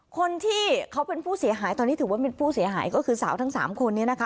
คนที่เขาเป็นผู้เสียหายตอนนี้ถือว่าเป็นผู้เสียหายก็คือสาวทั้ง๓คนนี้นะคะ